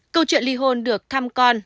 câu chuyện ly hôn được thăm con